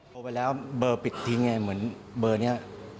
โทรไปแล้วเบอร์ปิดทิ้งไงเหมือนเบอร์นี้